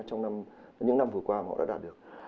trong những năm vừa qua mà họ đã đạt được